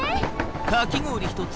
かき氷１つ。